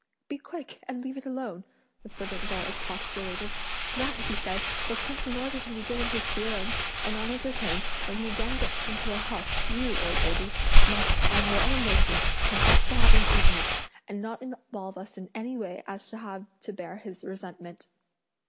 "Be quick, and leave it alone!" a servant girl expostulated, "that, he said, was kept in order to be given to Hsi Jen; and on his return, when he again gets into a huff, you, old lady, must, on your own motion, confess to having eaten it, and not involve us in any way as to have to bear his resentment."